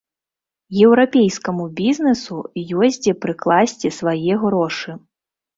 Еўрапейскаму бізнесу ёсць дзе прыкласці свае грошы.